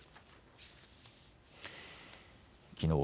きのう